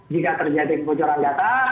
jika terjadi kebocoran data